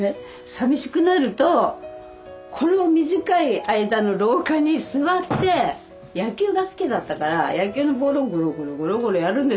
さみしくなるとこの短い間の廊下に座って野球が好きだったから野球のボールをゴロゴロゴロゴロやるんですよ。